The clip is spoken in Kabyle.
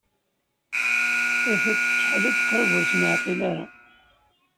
I tiṭ tkeḥḥel-d, qrib ur tt-neɛqil ara.